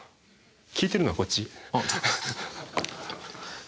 聞いてるのはこっち。